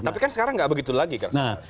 tapi kan sekarang nggak begitu lagi kan